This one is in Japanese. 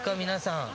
皆さん。